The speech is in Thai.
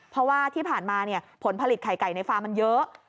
เพราะว่าที่ผ่านมาผลผลิตไข่ไก่ในฟาร์มมันเยอะ